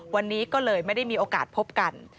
วันนี้ก็เลยไม่ได้มีโอกาสพบกัน